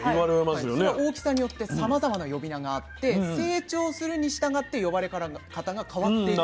その大きさによってさまざまな呼び名があって成長するにしたがって呼ばれ方が変わっていく。